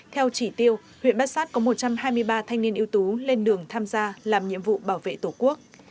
theo chỉ tiêu huyện bát sát có một trăm hai mươi ba thanh niên ưu tú lên đường tham gia làm nhiệm vụ bảo vệ tổ quốc